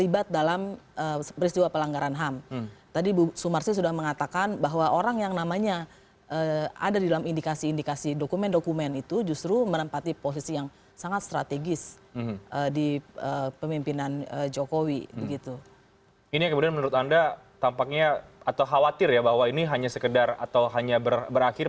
bahwa ini hanya sekedar atau hanya berakhir